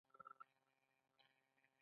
د دې ټکي نامشخص کیدل ډیرې ستونزې رامنځته کوي.